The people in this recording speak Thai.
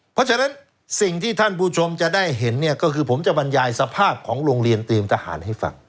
เพราะฉะนั้นสิ่งที่ท่านผู้ชมจะได้เห็นเนี่ยก็คือผมจะบรรยายสภาพของโรงเรียนเตรียมทหารให้ฟัง